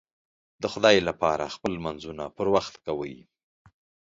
د خدای لپاره خپل لمونځونه پر وخت کوئ